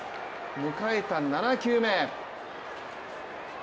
迎えた７球目。